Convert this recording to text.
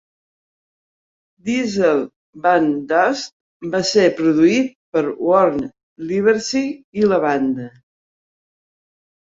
"Diesel and Dust" va ser produït per Warne Livesey i la banda.